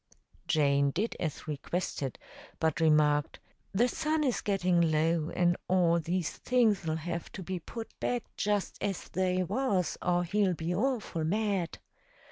Jane did as requested, but remarked, "The sun is gettin' low, and all these things'll have to be put back just as they was or he'll be awful mad."